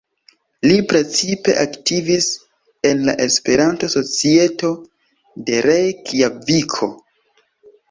Li precipe aktivis en la Esperanto-societo de Rejkjaviko.